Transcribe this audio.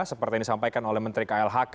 seperti yang disampaikan oleh menteri klhk